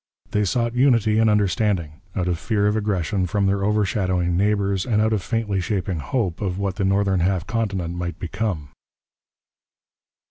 They sought unity and understanding, out of fear of aggression from their overshadowing neighbours and out of faintly shaping hope of what the northern half continent might become.